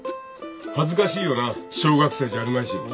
恥ずかしいよな小学生じゃあるまいし。